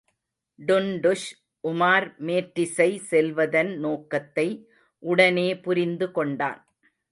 டுன்டுஷ், உமார் மேற்றிசை செல்வதன் நோக்கத்தை உடனே புரிந்து கொண்டான்.